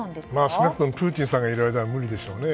少なくともプーチンさんがいる間は無理でしょうね。